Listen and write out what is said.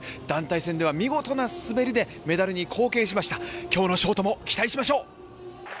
団体戦では、見事な滑りでメダルに貢献しました今日のショートも期待しましょう。